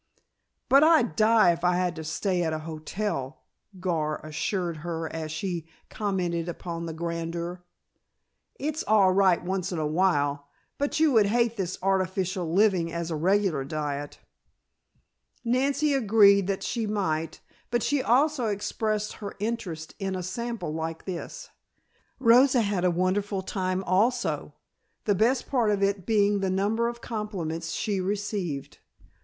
"But I'd die if I had to stay at a hotel," Gar assured her as she commented upon the grandeur. "It's all right once in a while, but you would hate this artificial living as a regular diet." Nancy agreed that she might, but she also expressed her interest in a sample like this. Rosa had a wonderful time also, the best part of it being the number of compliments she received.